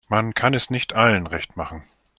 Man kann es nicht allen recht machen.